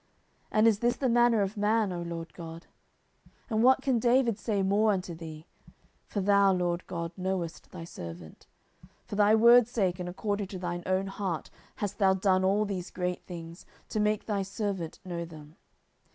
And is this the manner of man, O Lord GOD? 10:007:020 And what can David say more unto thee? for thou, Lord GOD, knowest thy servant. 10:007:021 For thy word's sake, and according to thine own heart, hast thou done all these great things, to make thy servant know them.